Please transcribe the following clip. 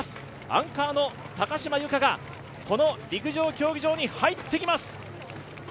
アンカーの高島由香がこの陸上競技場に入ってきます！